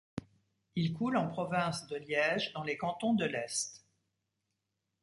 Il coule en province de Liège dans les Cantons de l'Est.